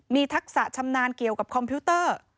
มีทักษะชำนาญเกี่ยวกับคอมพิวเตอร์